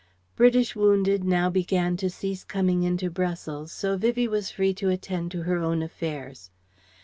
British wounded now began to cease coming into Brussels, so Vivie was free to attend to her own affairs.